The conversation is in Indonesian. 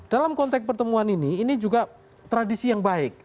dalam konteks pertemuan ini ini juga tradisi yang baik